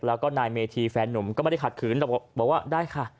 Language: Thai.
แล้วก็นายเมธีแฟนหนุ่มก็ไม่ได้ขัดขืนแต่บอกว่าได้ค่ะ